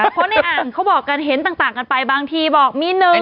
เพราะในอ่างเขาบอกกันเห็นต่างกันไปบางทีบอกมี๑